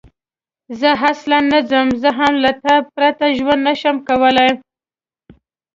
زه اصلاً نه ځم، زه هم له تا پرته ژوند نه شم کولای.